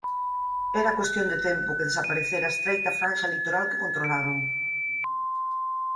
Era cuestión de tempo que desaparecera a estreita franxa litoral que controlaban.